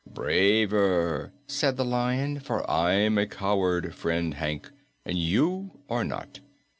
"Braver," said the Lion, "for I'm a coward, friend Hank, and you are not.